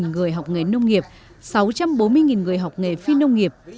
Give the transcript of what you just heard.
ba trăm năm mươi người học nghề nông nghiệp sáu trăm bốn mươi người học nghề phi nông nghiệp